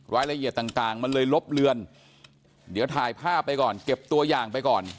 รายละเอียดต่างมันเลยลบเลือนเดี๋ยวถ่ายภาพไปก่อนเก็บตัวอย่างไปก่อน